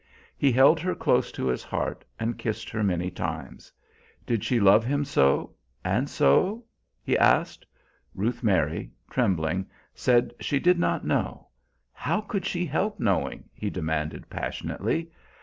He held her close to his heart and kissed her many times. Did she love him so and so? he asked. Ruth Mary, trembling, said she did not know. How could she help knowing? he demanded passionately.